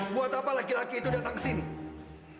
buat apa laki laki itu datang kesini